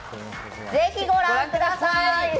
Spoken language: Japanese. ぜひご覧ください。